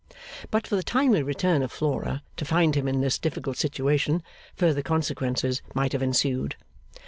But for the timely return of Flora, to find him in this difficult situation, further consequences might have ensued.